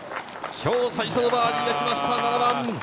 今日最初のバーディーが来ました。